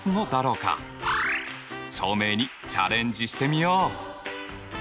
証明にチャレンジしてみよう！